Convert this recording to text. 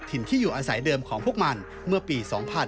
ที่อยู่อาศัยเดิมของพวกมันเมื่อปี๒๕๕๙